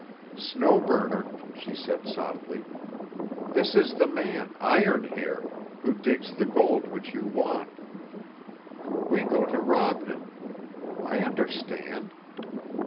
"Snow Burner," she said softly, "this is the man, Iron Hair, who digs the gold which you want. We go to rob him. I understand.